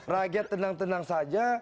rakyat tenang tenang saja